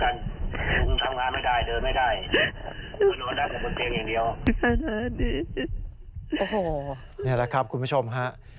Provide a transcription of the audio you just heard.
นี่แหละครับคุณผู้ชมฮะ